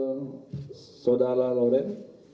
ini saudara loren